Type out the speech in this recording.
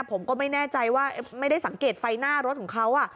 ผมก็ไม่แน่ใจว่าไม่ได้สังเกตไฟหน้ารถของเขา